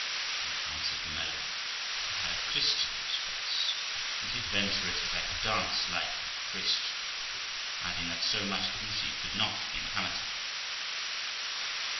He answered merrily, I had a Christian's face, and he'd venture it that I could dance like a Christian; adding that so much beauty could not be Mahometan.